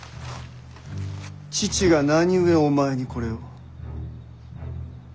父が何故お前にこれを？